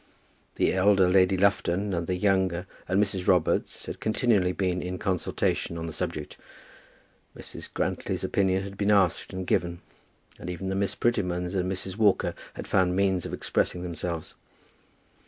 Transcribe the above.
The elder Lady Lufton and the younger, and Mrs. Robarts had continually been in consultation on the subject; Mrs. Grantly's opinion had been asked and given; and even the Miss Prettymans and Mrs. Walker had found means of expressing themselves.